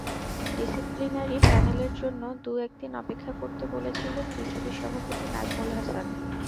Disciplinary প্যানেলের জন্য দু-এক দিন অপেক্ষা করতে বলেছিলেন বিসিবির সভাপতি নাজমুল হাসান।